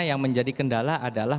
yang menjadi kendala adalah